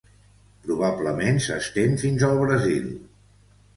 Probablement s'estén fins al Brasil.